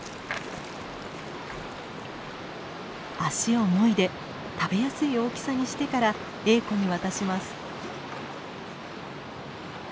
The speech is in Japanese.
足をもいで食べやすい大きさにしてからエーコに渡します。